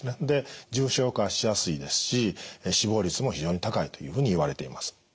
で重症化しやすいですし死亡率も非常に高いというふうにいわれています。